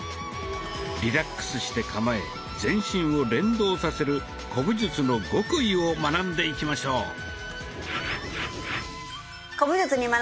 リラックスして構え全身を連動させる古武術の極意を学んでいきましょう。